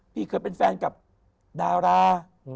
พี่เคยเป็นแฟนกับดารา